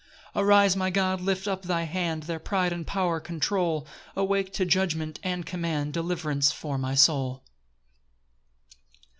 5 Arise, my God, lift up thy hand, Their pride and power control; Awake to judgment and command Deliverance for my soul.